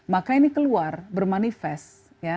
maka ini keluar bermanifest